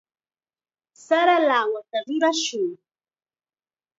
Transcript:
Sara lawata rurashun.